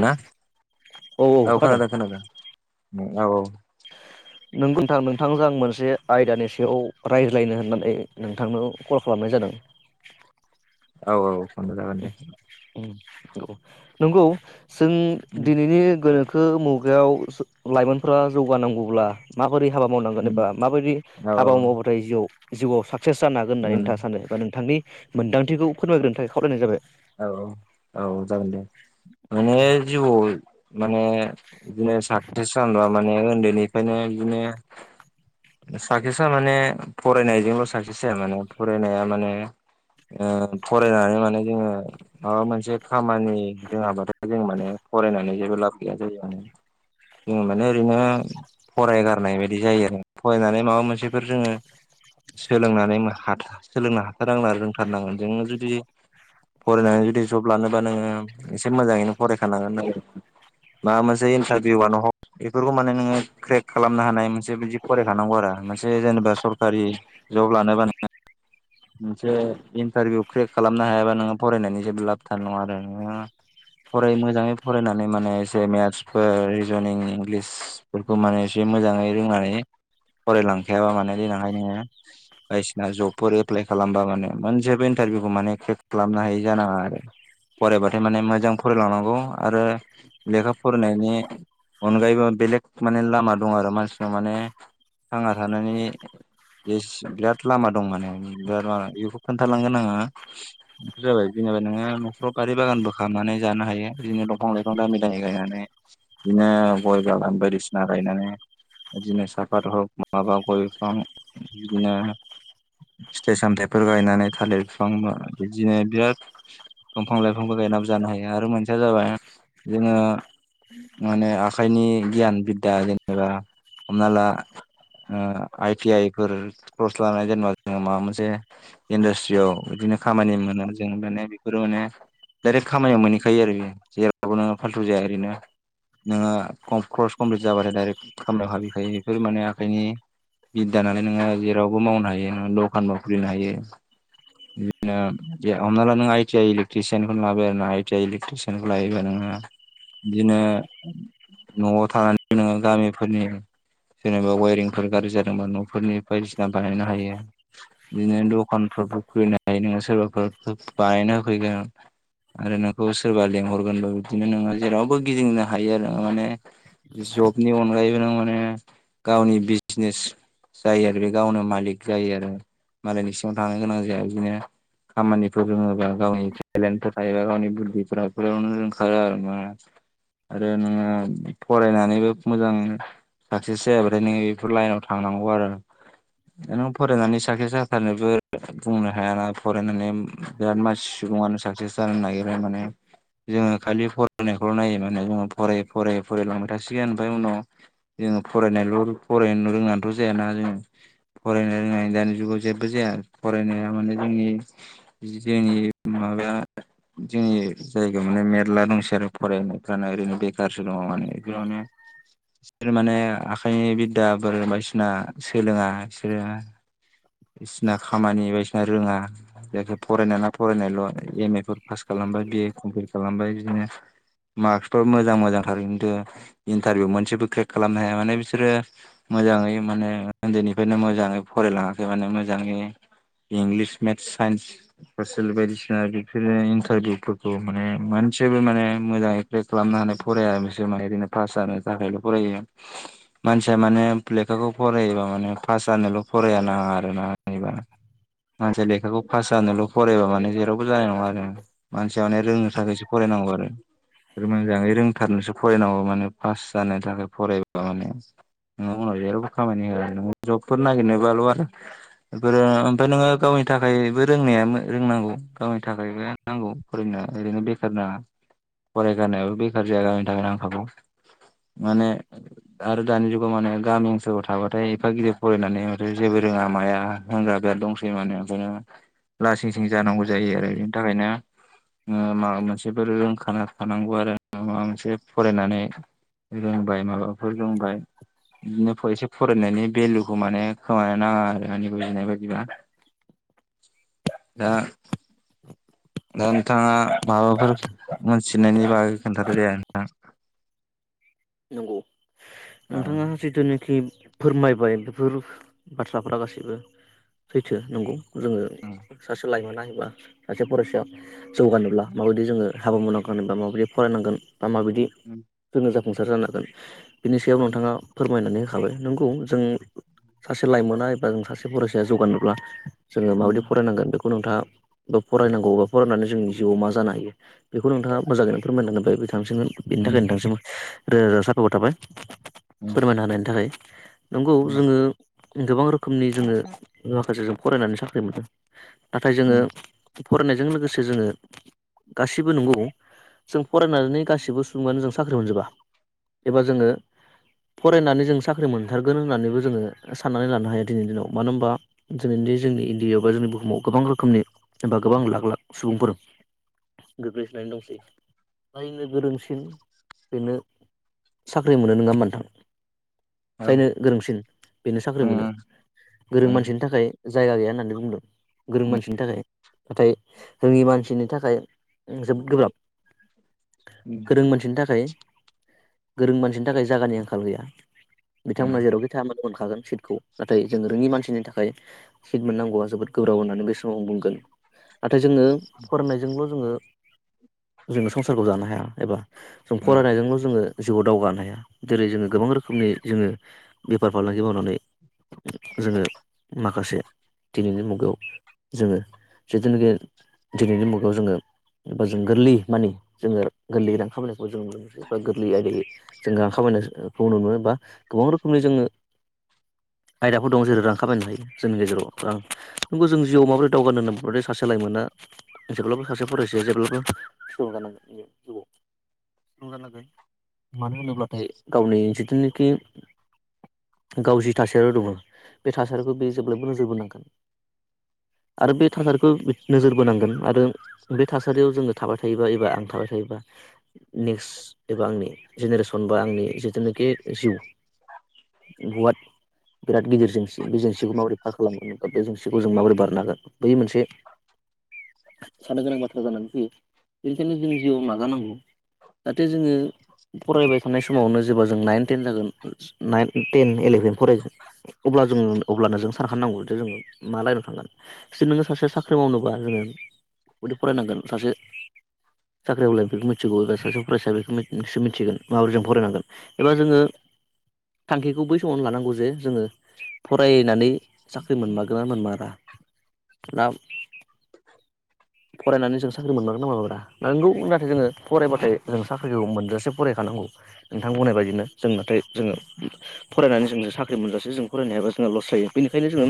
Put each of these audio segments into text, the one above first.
ना औ खोनादों खोनादों औ -औ-। नोंग थां नोंथांजों आं मोनसे आयदानि सायाव रायज्लायनो होननानै नोंथांनाव कल खालामनो। जादों। औ औ संद जागोन दे। औ नंगौ जों दिनैनि गोनोखो। थाखो मुगायाव स लाइमोनफोरा जौगानांगौब्ला मा। माबोरै हाबा मावनांगोन एबा माबायदि हाबा औ मावबाथाय जिउआव जिउआव साख। साक्सेस जानो हागोन होननानै नोंथाङ सानो एबा नोंथांनि मोनदांथिखौ फोरमायग्रोनो थाखाय खावलायनाय जाबाय। औ- औ- औ- जागोन दे माने जिउआव। माने बिदिनो साक्सेस जानबा माने उन्दैनिफ्रायनो बिदिनो। साक्सेसा माने फरायनायजोंल' साक्सेस जाया माने फरायनाया माने। ओ फरायनानै माने जोङो। माबा मोनसे खामानि रोङाब्लाथाय जों माने फरायनानै जेबो लाब गैया जायो आरो। जों माने ओरैनो फरायगारनाय बायदि जायो आरो फरायनानै माबा मोनसेफोर जोङो। सोलोंनानै हाथ सोलोंनो हाथारांना रोंथारनांगोन जोङ जुदि। फरायनानै जुदि जब लानोबा नोङो एसे मोजाङैनो फरायखानांगोन नों। माबा मोनसे इन्टारभिउआनो हक बेफोरखौ माने नोङो क्रेक खालामनो हानाय मोनसे बिदि फरायखानांगौ आरो। मोनसे जेनेबा सरकारि जब लानोबा नोङो। मोनसे इन्टारभिउ ख्रियेद खालामनो हायाबा नोङो। फरायनायनि जेबो लाबथानाय नङा आरो नोङो। फराय मोजाङै फरायनानै माने एसे मेथ्सफोर रिजनिं इंलिसफोरखौ माने एसे। मोजाङै रोंनानै फरायलांखायाबा माने देनांहाय नोङो बायदिसिना जबफोर एप्लाय खालामबा माने मोनसेबो एनटा। भिउ खौ माने क्रेक खालामनो हायि जानाङा आरो फरायबाथाय माने मोजां फरायलांनांगौ आरो लेखा फरायनायनि अनगायैबो बेलेग माने लामा दं आरो मानसियाव माने थांना थानायनि बे बिराद लामा दं माने बिराद मा बेखौ खोन्थालांगोन आङा बे जाबाय जेनेबा नोङो न'खराव गारि बागान बो खालामनानै जानो हायो बिदिनो दंफां लाइफां दामि दामि गायनानै बिदिनो गय बागान बायदिसिना गायनानै बिदिनो साफात हक माबा गयफां बिदिनो फिथाइ सामथायाइफोर गायनानै थालिर बिफां बिदिनो बिराद दंफां लाइफांबो गायनाबो जानो हायो आरो मोनसेया जाबाय जोङो माने आखाइनि गियान बिद्दा जेनेबा हमना ला आइटि आइ फोर कर्स लानाय जेनेबा जोङो माबा मोनसे इन्डास्ट्रियाव बिदिनो खामानि मोना जों माने बेफोरो माने डाइरेक्ट खामानियाव मोनहैखायो आरो जेरावबो नोङो फाल्थु जाया ओरैनो नोङो क्रस कमप्लिट जाबाथाय डाइरेक्ट खामला हाबहिखायो बेफोर माने आखाइनि बिददा नालाय नोङो जेरावबो मावनो हायो दखानबो खुलिनो हायो हमना ला नों आइ टि आइ इलेकट्रिसियानखौनो लाबाय आरो ना आइ टि आइ इलेकट्रिसियानखौ लायोबा नोङो बिदिनो न'आव थानानै नोङो गामिफोरनि जेनेबा वायेरंफोर गाज्रि जादोंबा न'फोरनि बायदिसिना बानायनो हायो बिदिनो दखान [unintelligible] सोरबाफोर बानायनो होफैगोन आरो नोंखौ सोरबा लेंहरगोनबो बिदिनो नोङो जेरावबो गिदिंनो हायो आरो माने जबनि अनगायैबो न माने गावनि बिजनेस जायो आरो बे गावनो मालिक जायो आरो मालिकनि सिङाव थांनो गोनां जाया बिदिनो खामानिफोर रोङोबा गावनि टेलेन्टफोर थायोबा गावनि बुद्धिफोरा बेावनो ओंखारो आरो ओ आरो नोङो फरायनानैबो मोजां साक्सेस जायाबाथाय नोङो बेफोर लाइनाव थांनांगौ आरो नों फरायनानै साख्रि साथारनोबो बुंनो हायाना फरायनानै बिराद मानसि सुबुङानो साकसेस जानो नागिरो माने जोङो खालि फरायनायखौल' नायो माने जोङो फरायै फरायै फरायैलांबाय थासिगोन ओमफ्राय उनाव जोङो फरायनायल' फरायनो रोंनानैथ' जायाना जोङो फरायनो रोङनाय दानि जुगाव जेबो जाया फरायनाया थारमाने जोंनि जोंनि माबाया जोंनि जायगायाव माने मेरला दंसै आरो फरायनायफ्रानो ओरैनो बेखारसो दङ माने बेयावनो बिसोर माने आखाइनि बिद्दा बोर बायदिसिना सोलोङा बिसोरो बिसिना खामानि बायदिसिना रोङा जायखि फरायनाय ना फरायनायल' एम ए फोर पास खालामबाय बिए कमप्लिट खालामबाय बि नो मार्कसफोर मोजां मोजांथार खिन्थु इन्टारभिउ मोनसेबो क्रेक खालामनो हाया माने बिसोरो मोजाङै माने उन्दैनिफ्रायनो मोजाङै फरायलाङाखै माने मोजाङै इंलिस मेथ्स साइन्स ससेल बायदिसिना बिफोर इन्टारभिउफोरखौ माने मोन जबो माने मोजां एपे खालामनो ह फराया बिसोर मा ओरैनो पास जानो थाखायल' फरायो मानसिया माने लेखाखौ फरायोबा माने पास जानोल' फराया नाङा आरोनाबा मानसिया लेखाखौ पास जानोल' फरायबा माने जेरावबो जानाय नङा आरो मानसिया माने रोंनो थाखायसो फरायनां गौ आरो मोजाङै रोंथारनोसो फरायनांगौ माने पास जानो थाखाय फरायबा माने उनाव जेरावबो खामानि होआ नों जबफोर नागिरनो बाल' आरो बेफोरो ओमफ्राय नोङो गावनि थाखायबो रोंनाया रोंनांगौ गावनि थाखायबो नांगौ फरायनाया ओरैनो बेखार नाङा फरायगारनायाबो बेखार जाया गावनि थाखाय नांखागौ माने आरो दानि जुगाव माने गामि ओनसोलाव थाबाथाय एफा गिदिर फरायनानै माथो जेबो लामाया होनजागा दंस माने ओखायनो लासिं सिं जानांगौ जायो आरो बेनि थाखायनो ओ माबा मोनसेफोर रोंखाना खानांगौ आरो न माबा मोनसे फरायनानै रोंबाय माबाफोर रोंबाय बिदिनो एसे फरायनायनि भेलुखौ माने खोमानो नाङा आरो आंनि बुजिनाय बायदिबा दा दा नोंथाङा माबाफोर मोनथिनायनि बागै खोन्थादो दे नोंथां नंगौ नोंथाङा जिथुनाखि फोरमायबाय बेफोर बाथ्राफ्रा गासैबो सैथो नंगौ जोङो सासे लाइमोन नायोबा सासे फरायसा जौगानोब्ला माबायदि जोङो हाबा मावनांगोन बा माबायदि फरायनांगोन बा माबायदि जोङो जाफुंसार जानांगोन बिनि सायाव नोंथाङा फोरमायनानै हो थाबाय नंगौ जों सासे लाइमोना एबा जों सासे फरायसाया जौगानोब्ला जोङो माबायदि फरायनांगोन बेखौ नोंथाङा गौ फरायनांगौबा फरायनानै जोंनि जिउआव मा जानो हायो बेखौ नोंथाङा मोङैनो फोरमायनांगोन जायैबायथ बांसिनगोन बेनि थाखाय नोंथांसिम रोजा रोजा साफाखर थाबाय फोरमायना होनायनि थाखाय नंगौ जोङो गोबां रोखोमनि जोङो माखासे जों फरायनानै साख्रि मोनो नाथाय जोङो फरायनायजों लोगोसे जोङो गासिबो नंगौ जों फरायनानै गासिबो सुबङानो जों साख्रि मोनजोबा एबा जोङो फरायनानै जों साख्रि मोनथारगोन होननानैबो जोङो साननानै लानो हायो दिनै दिनाव मानो होनबा दिनैनि जे जोंनि इण्डिायाव बा जोंनि बुहुमाव गोबां रोखोमनि जेनबा गोबां लाख लाख सुबुंफोर गोग्लैसोनानै दंसै जायनो गोरोंसिन बेनो साख्रि मोनो नङा होमबा नोंथां जायनो गोरोंसिन बेनो साख्रि मोनो गोरों मानसिनि थाखाय जायगा गैया होननानै बुंदों गोरों मानसिनि थाखाय नाथाय रोङि मानसिनि थाखाय ओं जोब गोब्राब गोरों मानसिनि थाखाय गोरों मानसिनि थाखाय जागानि आंखाल गैया बिथांमोना जेरावखि थाया मानो मोनखागोन सिथ खौ नाथाय जों रोङि मानसिनि थाखाय सिथ मोननांगौआ जोबोद गोब्राब होननानै बे समाव बुंगोन ना थाय जोङो फरोंनायजोंल' जोङो जोङो संसारखौ जानो हाया एबा जों फरायनायजोंल' ओ जिउआव दावगानो हाया जेरै जोङो गोबां रोखोमनि जोङो बेफार फालांगि मावनानै जोङो माखासे दिनैनि मुगायाव जोङो जिथुनाखि दिनैनि मुगायाव जोङो बा जों गोरलै मानि जोङो गोरलैयै रां खामायनायखौ जों नुनो मोनसै बा गोरलै आयदैयै जोङो आखामायनाय खौ नुनो मोनो बा गोबां रोखोमनि जोङो [inaudible] आयदाफोर दं जेरै रां खामायनो हायो जोंनि गेजेराव रां नंगौ जों जिउआव माबोरै दावगानो होनबादे सासे लायमोना जेब्लाबो सासे फरायसाया जेब्लाबो स्ल जानांगोन जिउयाव स्ल जानांगोन मानो होनोब्लाथाय गावनि जिथुनाखि गाव जि थासारियाव दङ बे थासारिखौ बे जेब्लायबो नोजोर बोनांगोन आरो बे थासारिखौ नोजोर बोनांगोन आरो बे थासारियाव जोङो थाबाय थायोबा एबा आं थाबाय थायोबा नेक्स्ट एबा आंनि जेनेरेसन बा आंनि जिथुनाखि जिउ गुवाथ बिराद गिदिर जेंसि बे जोंसिखौ माबोरै फार खालामगोन बे जोंसिखौ जों माबोरै बारनो हागोन बै मोनसे [inaudible] साननो गोनां बाथ्रा जानानै फैयो बेनिखायनो जोंनि जिउआव माजानांगौ जाहाथे जोङो फरायबाय थानाय समावनो जेब्ला जों नाइन टेन जागोन नाइन टेन इलेभेन फरायगोन अब अब्ला जों अब्लानो जों सारखाननांगौ जे जोङो मा लाइनाव थांगोन जि नोङो सासे साख्रि मावनोबा जोङो बेदि फरायनांगोन सासे साख्रि आवलाया बेखौ मिथिगौ एबा सासे फरायसाया सो मिथिगोन माबोरै जों फरायनांगोन एबा जोङो थांखिखौ बै समावनो लानांगौ जे जोङो फरायनानै साख्रि मोनमारगोन ना मोनमारा ना फरायनानै जों साख्रि मोनमारगोन ना मोनमारा नंगौ नाथाय जोङो फरायबाथाय जों साख्रिखौ मोनजासे फरायखानांगौ नोंथां बुंनाय बायदिनो जों नाथाय जोङो फरायनानै जों साख्रि मोनजासे जों फरायनो हायाबा जोंहा लस जायो बेनिखायनो जोङो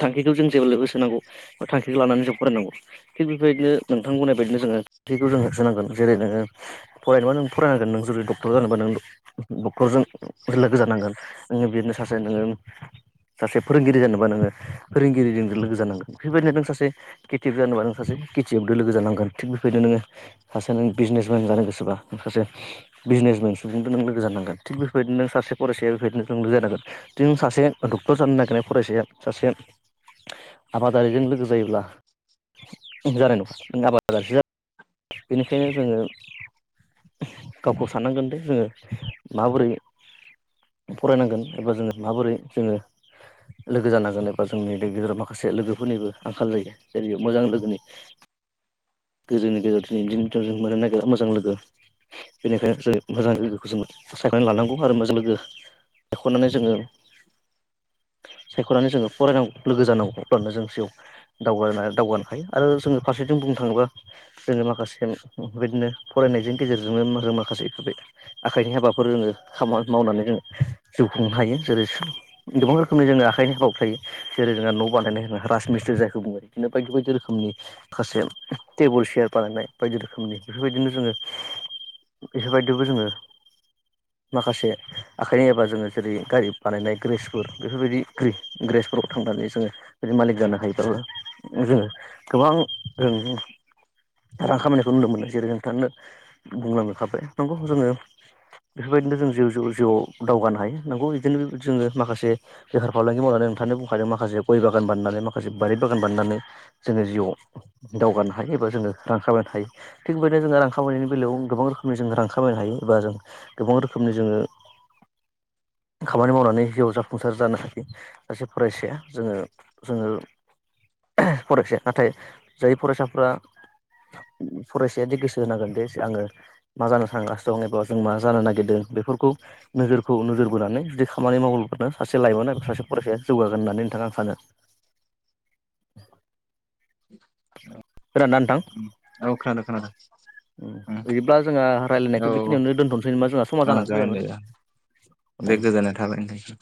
थांखिखौ जों जेब्लायबो सोनांगौ बा थांखिखौ लानानै जों फरायनांगौ थिग बेबायदिनो नोंथां बुंनाय बायदि जोङो थांखिखौ जोङो होसोनांगोन जेरै नोङो फरायनोबा नों फरायनांगोन नों जुदि डक्टर जानोबा नों डक्टरजों लोगो जानांगोन नोङो बिनो सान से नोङो सासे फोरोंगिरि जानोबा नोङो फोरोंगिरिजों लोगो जानांगोन बेफोरबायदिनो नों सासे केटियक जानोबा नों सासे खेथियकवजों लोगो जानांगोन थिग बेबायदिनो नोङो सासे नों बिजनेस मेन जानो गोसोबा नों सासे बिजनेसमेन सुबुंजों नों लोगो जानांगोन थिग बेफोरबायदिनो नों सासे फरायसाया बेफोरदिनो लोगो जानांगोन थिख नों सासे डक्टर जानो नागिरनाय फरायसाया सासे आबादारिजों लोगो जायोब्ला जानाय नङा नों आबादारिसो बेनिखायनो जोङो गावखौ साननांगोन दे जोङो माबोरै फरायनांगोन एबा जोङो माबोरै जोङो लोगो जानांगोन एबा जोंनि गेजेराव माखासे लोगोफोरनिबो आंखाल जायो जेरै मोजां लोगोनि गोजौनि गेजेरजों इदि मोननो नागिरा मोजां लोगो बेनिखायनो जों मोजां लोगोखौ जोङो सायख'नानै लानांगौ आरो मोजां लोगो एख'नानै जोङो सायख'नानै जोङो फरायनांगौ लोगो जानांगौ अब्लानो जों जिउवाव दावगा दावगानो हायो आरो जोङो फारसेथिं बुंनो थाङोबा जोङो माखासे बेदिनो फरायनायजों गेजेरजोंनो माखासे बेफोरबायदि आखाइनि हाबाफोर जोङो खामानि मावनानै जों जिउ खुंनो हायो जेरै गोबां रोखोमनि जोङो आखाइनि हाबाफोर थायो जेरै जेरै जोंहा न' बानायनाय होन राजमिस्ट्रि जायखौ बुङो बिदिनो बायदि बायदि रोखोमनि माखासे टेबोल चेयार बानायनाय बायदि रोखोमनि बेफोरबायदिनो जोङो बेफोरबायदिबो जोङो माखासे आखाइनि एबा जोङो जेरै गारि बानायनाय ग्रेसफोर बेफोरबायदि ग्रि ग्रे सफोराव थांनानै जोङो बिदि मालिक जानो हायोबाबो जोङो गोबां जों रां खामनायखौ नुनो मोननो जेरै नोंथाङानो बुंलांखाबाय नंगौ जोङो बेफोरबायदिनो जों जिउ जिउआव दावगानो हायो नंगौ बिदिनो जोङो माखासे बेफार फालांगि मावनानै खोनथानो बुंखादों माखासे गइ बागान बाननानै माखासे बारि बागान बाननानै जोङो जिउआव दावगानो हायो एबा जोङो रां खामायनो हायो थिग बेबायदिनो जोङो रां खामायनायनि बेलायाव गोबां रोखोमनि जोङो रां खामायनो हायो एबा जों गोबां रोखोमनि जोङो खामानि मावनानै जिउआव जाफुंसार जानो हायो सासे फरायसाया जोङो जोङो फरायसा नाथाय जाय फरायसा फोरा फरायसाया दि गोसो होनांगोन दे आङो मा जानो सानगासिनो दं एबा जों मा जानो नागिरदों बेफोरखौ नोजोरखौ नोजोर बोनानै खामानि मावोबानो सासे लाइमोना आरो सासे फरायसाया जौगागोन होननानै नोंथां आं सानो [unintelligible] [inaudible] खोनादोंना नोंथां औ खोनादों खोनादों बिदिब्ला जोंहा औ रायलायनायखौ औ बेखिनियावनो दोनथ'नोसै नामा जोंहा समा जानानै फैबायमोन बे गोजोननाय थाबाय नोंथां